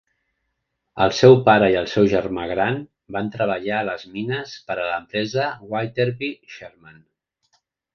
El seu pare i el seu germà gran van treballar a les mines per a l'empresa Witherbee Sherman.